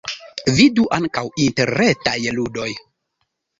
Vidu ankaŭ interretaj ludoj.